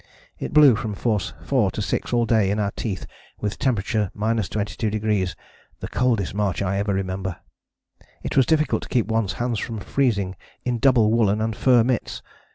It blew from force 4 to 6 all day in our teeth with temperature 22°, the coldest march I ever remember. It was difficult to keep one's hands from freezing in double woollen and fur mitts.